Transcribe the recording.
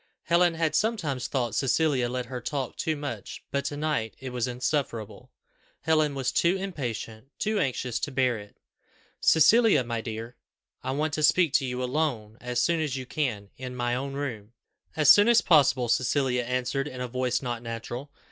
Helen had sometimes thought Cecilia let her talk too much, but to night it was insufferable. Helen was too impatient, too anxious to bear it. "Cecilia, my dear, I want to speak to you alone, as soon as you can, in my own room." "As soon as possible," Cecilia answered in a voice not natural.